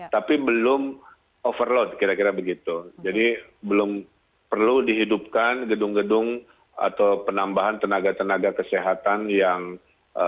tapi belum overload kira kira begitu jadi belum perlu dihidupkan gedung gedung atau penambahan tenaga tenaga kesehatan yang